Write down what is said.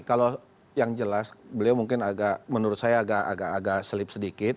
kalau yang jelas beliau mungkin agak menurut saya agak agak selip sedikit